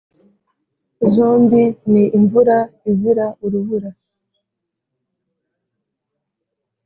zombi ni imvura izira urubura